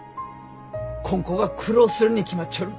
こん子が苦労するに決まっちょる。